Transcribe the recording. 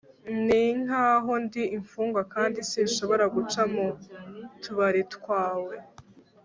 ninkaho ndi imfungwa kandi sinshobora guca mu tubari twawe